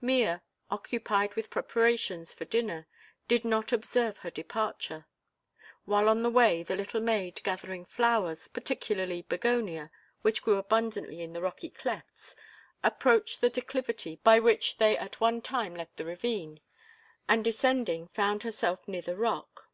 Mea, occupied with preparations for dinner, did not observe her departure; while on the way, the little maid, gathering flowers, particularly begonia which grew abundantly in the rocky clefts, approached the declivity by which they at one time left the ravine and descending found herself near the rock.